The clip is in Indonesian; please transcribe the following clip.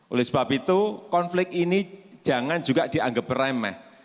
oleh sebab itu konflik ini jangan juga dianggap remeh